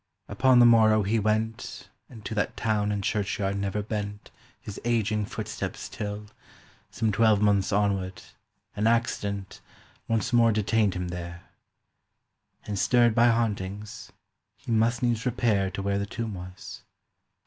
'" Upon the morrow he went And to that town and churchyard never bent His ageing footsteps till, some twelvemonths onward, An accident Once more detained him there; And, stirred by hauntings, he must needs repair To where the tomb was.